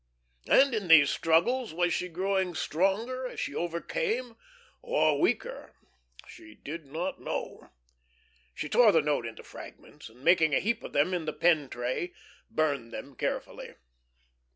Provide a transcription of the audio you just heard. And in these struggles, was she growing stronger as she overcame, or weaker? She did not know. She tore the note into fragments, and making a heap of them in the pen tray, burned them carefully.